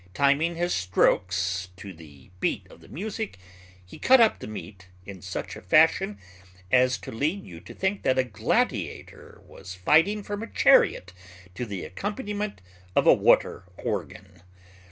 Timing his strokes to the beat of the music he cut up the meat in such a fashion as to lead you to think that a gladiator was fighting from a chariot to the accompaniment of a water organ.